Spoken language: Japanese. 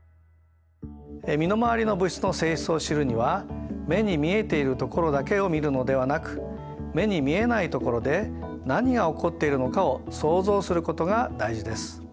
身の回りの物質の性質を知るには目に見えているところだけを見るのではなく目に見えないところで何が起こっているのかを想像することが大事です。